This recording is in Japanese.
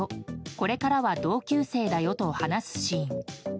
これからは同級生だよ」と話すシーン。